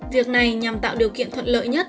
việc này nhằm tạo điều kiện thuận lợi nhất